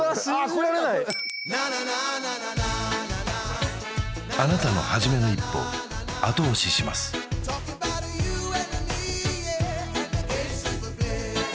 これだあなたのはじめの一歩を後押ししますえ